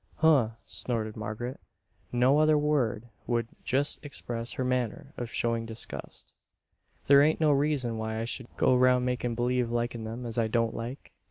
"Huh!" snorted Margaret, no other word would just express her manner of showing disgust. "There ain't no reason why I should go 'round makin' believe likin' them as I don't like.